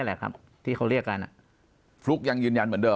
ปากกับภาคภูมิ